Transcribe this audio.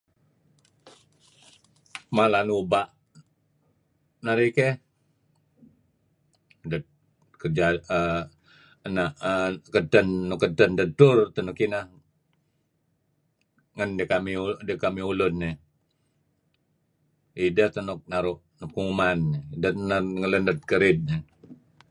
Mala nuba' narih keyh uhm kerja uhm keyh ena' nuk edten dedtur teh nuk ineh. Ngen dikamih ulun iih. Ideh teh nuk naru' penguman. Inan ngelened kerid.